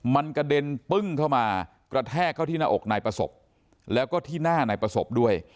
มันกระเด็นปึ้งเข้ามากระแทกเข้าที่หน้าอกนายประสบแล้วก็ที่หน้านายประสบด้วย